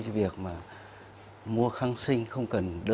thì cái việc mà mua khăn sinh không cần là thói quen tốt